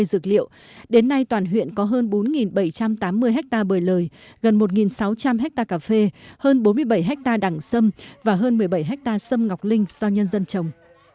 cây dược liệu đến nay toàn huyện có hơn bốn bảy trăm tám mươi ha bời lời gần một sáu trăm linh hectare cà phê hơn bốn mươi bảy hectare đẳng xâm và hơn một mươi bảy hectare sâm ngọc linh do nhân dân trồng